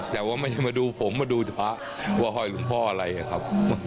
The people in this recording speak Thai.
แต่ว่าไม่ได้มาดูผมมาดูพระว่าห้อยหลวงพ่ออะไรครับ